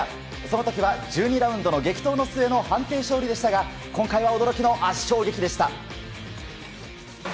その時は１２ラウンドの激闘の末の判定勝利でしたが今回は驚きの圧勝劇でした。